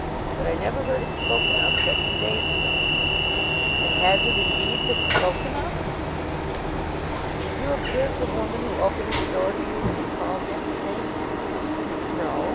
But I never heard it spoken of till two days ago." "And has it indeed been spoken of?" "Did you observe the woman who opened the door to you when you called yesterday?" "No.